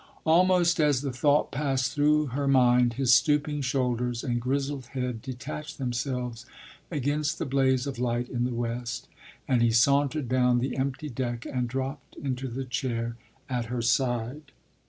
Almost as the thought passed through her mind his stooping shoulders and grizzled head detached themselves against the blaze of light in the west, and he sauntered down the empty deck and dropped into the chair at her side.